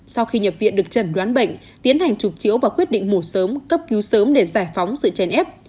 sau khi nhập viện được trần đoán bệnh tiến hành chụp chiếu và quyết định mổ sớm cấp cứu sớm để giải phóng sự chèn ép